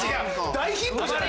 大ヒントじゃない。